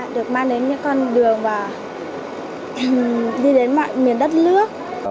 được mang đến những con đường và đi đến mọi miền đất nước